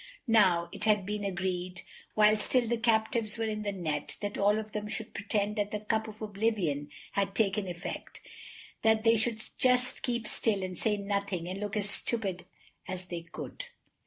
Now, it had been agreed, while still the captives were in the net, that all of them should pretend that the cup of oblivion had taken effect, that they should just keep still and say nothing and look as stupid as they could.